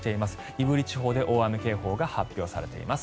胆振地方で大雨警報が発表されています。